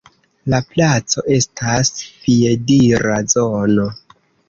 La placo estas piedira zono.